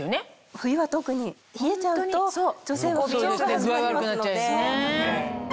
冬は特に冷えちゃうと女性は不調が始まりますので。